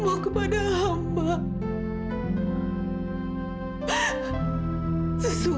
yang lima kali kau net tl